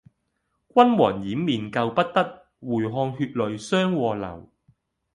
君王掩面救不得，回看血淚相和流。